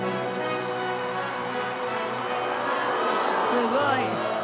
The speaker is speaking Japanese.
すごい！